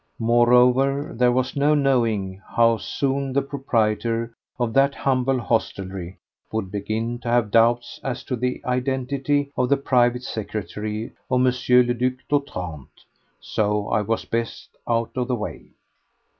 Moreover, there was no knowing how soon the proprietor of that humble hostelry would begin to have doubts as to the identity of the private secretary of M. le Duc d'Otrante. So I was best out of the way.